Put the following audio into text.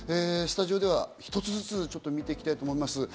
スタジオでは一つずつ見ていきたいと思います。